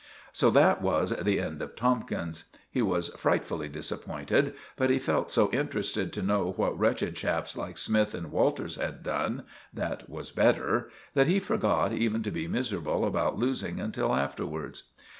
So that was the end of Tomkins. He was frightfully disappointed; but he felt so interested to know what wretched chaps like Smythe and Walters had done that was better, that he forgot even to be miserable about losing until afterwards.